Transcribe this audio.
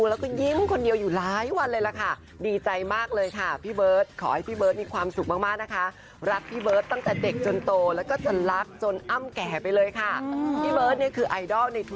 แล้วอีกคลิปที่ได้มาเนี่ยคือพี่อ้ำเขาได้มาจากไหนอ่ะ